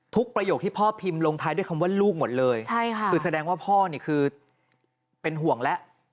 ประโยคที่พ่อพิมพ์ลงท้ายด้วยคำว่าลูกหมดเลยใช่ค่ะคือแสดงว่าพ่อนี่คือเป็นห่วงแล้ว